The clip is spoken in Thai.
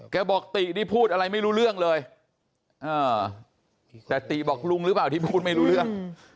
บอกตินี่พูดอะไรไม่รู้เรื่องเลยแต่ติบอกลุงหรือเปล่าที่พูดไม่รู้เรื่อง